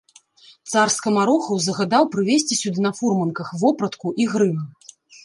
Цар скамарохаў загадаў прывесці сюды на фурманках вопратку і грым.